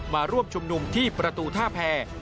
มาร่วมชุมนุมที่ประตูท่าแพร